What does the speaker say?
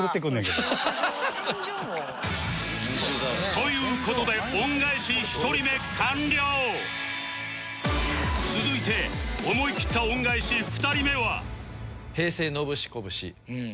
という事で続いて思い切った恩返し２人目は？